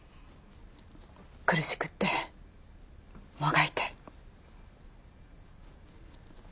苦しくってもがいて